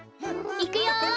いくよ！